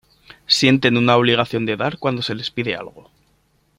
Sienten una obligación de dar cuando se les pide algo.